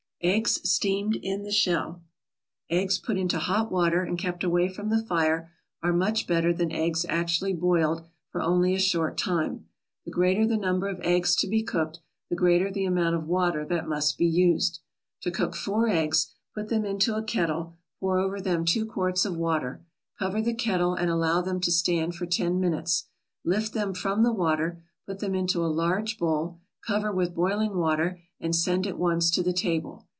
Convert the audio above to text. EGGS STEAMED IN THE SHELL Eggs put into hot water and kept away from the fire are much better than eggs actually boiled for only a short time. The greater the number of eggs to be cooked, the greater the amount of water that must be used. To cook four eggs, put them into a kettle, pour over them two quarts of water, cover the kettle and allow them to stand for ten minutes. Lift them from the water, put them into a large bowl, cover with boiling water, and send at once to the table.